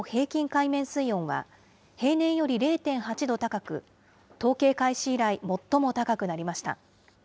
海面水温は、平年より０．８度高く、統計開始以来、最も高くなりました。